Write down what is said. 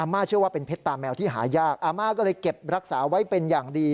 มาเชื่อว่าเป็นเพชรตาแมวที่หายากอาม่าก็เลยเก็บรักษาไว้เป็นอย่างดี